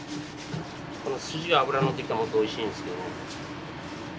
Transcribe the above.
この筋が脂乗ってきたものっておいしいんですよね。